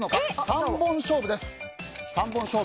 ３本勝負です。